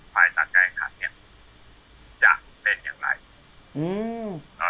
แล้วช่างคนนั้นเนี่ยหมอค่าเครื่องมือ